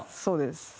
そうです。